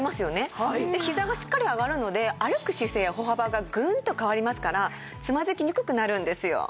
でひざがしっかり上がるので歩く姿勢や歩幅がグンと変わりますからつまずきにくくなるんですよ。